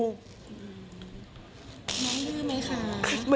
น้องดื้อไหมคะ